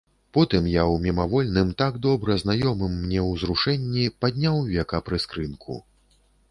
Потым я ў мімавольным, так добра знаёмым мне, узрушэнні падняў века прыскрынку.